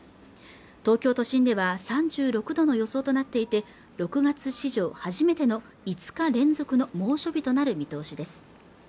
東京都心では３６度の予想となっていて６月史上初めての５日連続の猛暑日となる見通しです